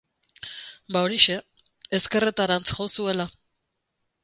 Ba horixe, ezkerretarantz jo zuela.